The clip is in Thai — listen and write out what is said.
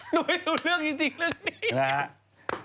หนูให้หนูเรื่องจริงเรื่องนี้